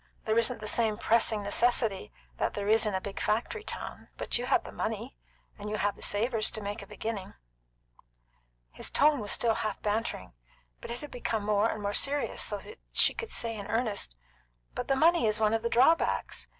There isn't the same pressing necessity that there is in a big factory town; but you have the money, and you have the Savors to make a beginning." His tone was still half bantering; but it had become more and more serious, so that she could say in earnest: "But the money is one of the drawbacks.